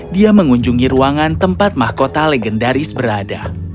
dia mengunjungi ruangan tempat mahkota legendaris berada